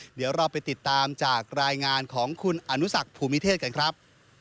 เดี๋ยวเราไปติดตามจากรายงานของคุณอนุสักภูมิเทศกันครับ